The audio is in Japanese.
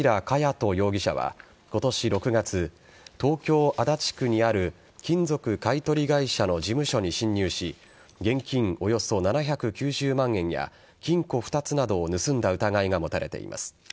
土容疑者は今年６月東京・足立区にある金属買い取り会社の事務所に侵入し現金およそ７９０万円や金庫２つなどを盗んだ疑いが持たれています。